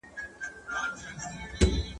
ښيي `